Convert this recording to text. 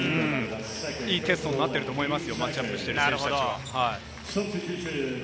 いいテストになっていると思いますよ、マッチアップしてる選手たちは。